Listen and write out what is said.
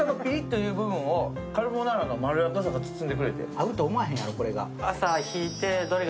合うと思わへんやろう、これが。